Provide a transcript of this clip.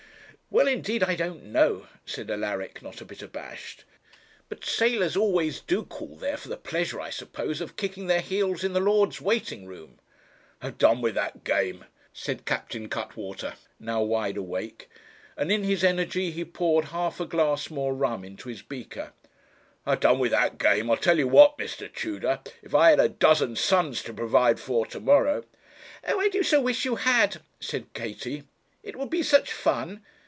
'Well, indeed, I don't know,' said Alaric, not a bit abashed. 'But sailors always do call there, for the pleasure, I suppose, of kicking their heels in the lords' waiting room.' 'I have done with that game,' said Captain Cuttwater, now wide awake; and in his energy he poured half a glass more rum into his beaker. 'I've done with that game, and I'll tell you what, Mr. Tudor, if I had a dozen sons to provide for to morrow ' 'Oh, I do so wish you had,' said Katie; 'it would be such fun.